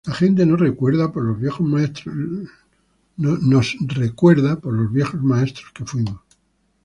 La gente nos recuerda por los viejos maestros que fuimos.